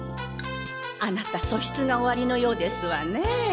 あなた素質がおありのようですわね。